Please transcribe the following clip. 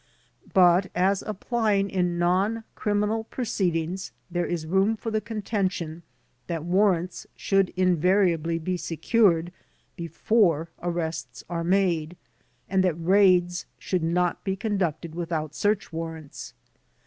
But as applied in non criminal proceedings there is room for the contention that warrants should invariably be secured before arrests are made and that raids should not be conducted without search warrants.